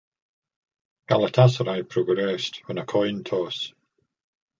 Galatasaray progressed on a coin toss.